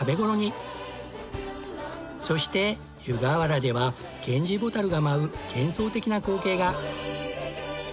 そして湯河原ではゲンジボタルが舞う幻想的な光景が。